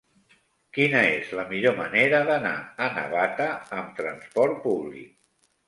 Quina és la millor manera d'anar a Navata amb trasport públic?